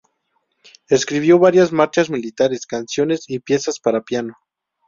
Escribió varias marchas militares, canciones, y piezas para piano.